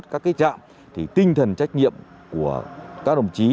các trạm tinh thần trách nhiệm của các đồng chí